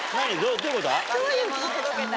どういうことだ？